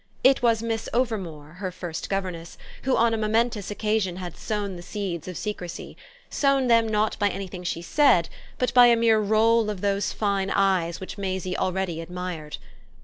It was Miss Overmore, her first governess, who on a momentous occasion had sown the seeds of secrecy; sown them not by anything she said, but by a mere roll of those fine eyes which Maisie already admired.